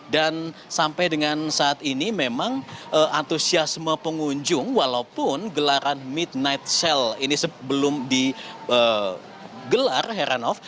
dan sampai dengan saat ini memang antusiasme pengunjung walaupun gelaran mid naxxel ini sebelum digelar heranov